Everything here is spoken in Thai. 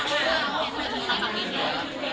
คิดเหมือนกันเลยว่า